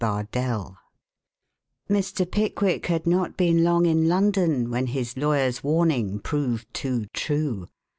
BARDELL Mr. Pickwick had not been long in London when his lawyer's warning proved too true.